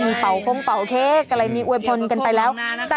นี่ในคลิปในคลิป